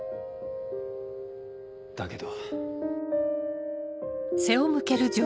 だけど。